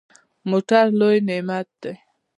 موټر لوی نعمت دی.